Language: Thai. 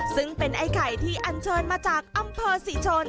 ซึ่งเป็นไอ้ไข่ที่อันเชิญมาจากอำเภอศรีชน